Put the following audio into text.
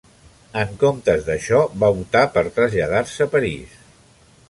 En comptes d'això va optar per traslladar-se a París.